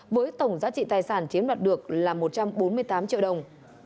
với tổng giá trị tài sản chiếm đoạt được là một trăm bốn mươi tám triệu đồng